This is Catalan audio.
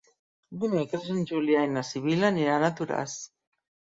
Dimecres en Julià i na Sibil·la aniran a Toràs.